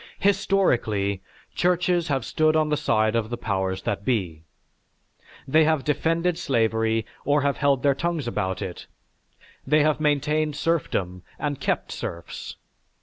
"Historically, churches have stood on the side of the powers that be. They have defended slavery or have held their tongues about it. They have maintained serfdom and kept serfs.